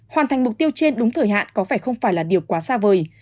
hoàn thành mục tiêu trên đúng thời hạn có phải không phải là điều quá xa vời